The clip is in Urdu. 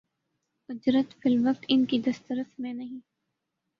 اجرت فی الوقت ان کی دسترس میں نہیں